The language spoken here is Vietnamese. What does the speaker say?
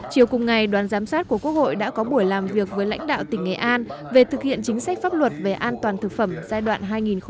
chiều cùng ngày đoàn giám sát của quốc hội đã có buổi làm việc với lãnh đạo tỉnh nghệ an về thực hiện chính sách pháp luật về an toàn thực phẩm giai đoạn hai nghìn một mươi bốn hai nghìn một mươi tám